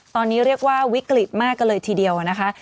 ตอนนี้เรียกว่าวิกฤตมากก็เลยทีเดียวนะคะ